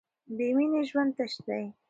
بې مینې ژوند تش دی.